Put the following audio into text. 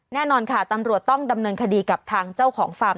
แน่นอนค่ะตำรวจต้องดำเนินคดีกับทางเจ้าของฟาร์ม